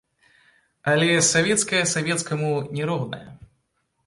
Але савецкае савецкаму не роўнае.